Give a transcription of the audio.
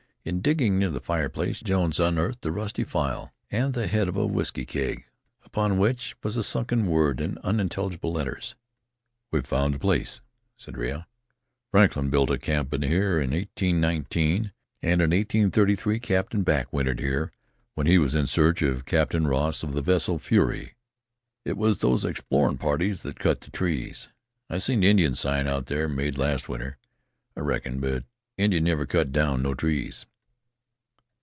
In digging near the fireplace Jones unearthed a rusty file and the head of a whisky keg, upon which was a sunken word in unintelligible letters. "We've found the place," said Rea. "Frank built a cabin here in 1819. An' in 1833 Captain Back wintered here when he was in search of Captain Ross of the vessel Fury. It was those explorin' parties thet cut the trees. I seen Indian sign out there, made last winter, I reckon; but Indians never cut down no trees."